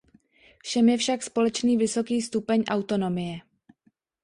Všem je však společný vysoký stupeň autonomie.